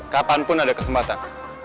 kapanpun ada kesempatan